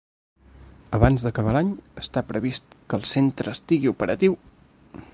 Abans d’acabar l’any, està previst que el centre estigui operatiu.